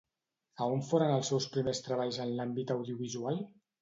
A on foren els seus primers treballs en l'àmbit audiovisual?